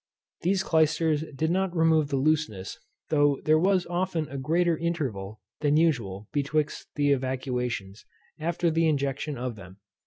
These clysters did not remove the looseness, though there was often a greater interval than usual betwixt the evacuations, after the injection of them.